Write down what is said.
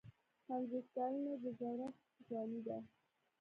پنځوس کلني د زړښت ځواني ده.